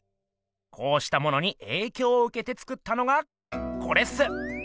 こうしたものにえいきょうをうけて作ったのがコレっす。